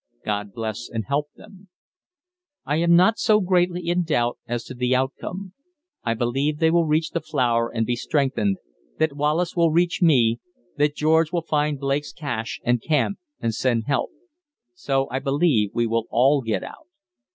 God bless and help them. "I am not so greatly in doubt as to the outcome. I believe they will reach the flour and be strengthened, that Wallace will reach me, that George will find Blake's cache and camp and send help. So I believe we will all get out.